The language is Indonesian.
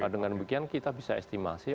dengan demikian kita bisa estimasi